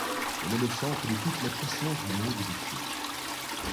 Elle est le centre de toute la puissance du monde des fées.